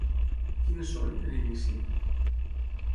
Quines són, en inici?